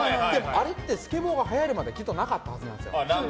あれってスケボーがはやるまでなかったはずなんですよ。